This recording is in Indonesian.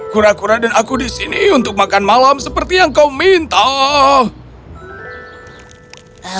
kura kura dan aku di sini untuk makan malam seperti yang kau minta